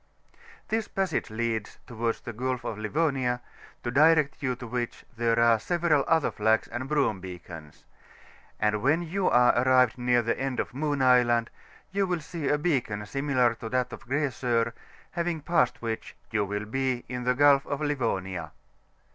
This passage leads towards the Gulf of Livonia, to direct you to which, there are several otner flags and broom beacons; and when you are arrived near tiie end of Moon Island, you will see a beacon similar to that of Grasor, having passed which, you will be in the Gulf of Livonia.